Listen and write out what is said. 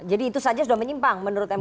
jadi itu saja sudah menyimpang menurut m u